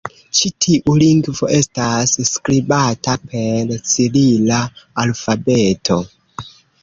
Ĉi tiu lingvo estas skribata per cirila alfabeto.